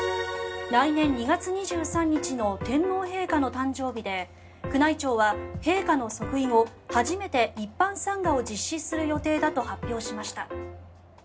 来年２月２３日の天皇陛下の誕生日で宮内庁は陛下の即位後初めて一般参賀を実施する予定だと発表しました。